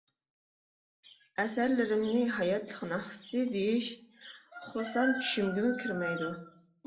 ئەسەرلىرىمنى «ھاياتلىق ناخشىسى» دېيىش ئۇخلىسام چۈشۈمگىمۇ كىرمەيدۇ.